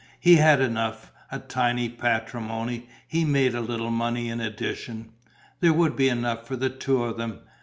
He had enough: a tiny patrimony; he made a little money in addition: there would be enough for the two of them.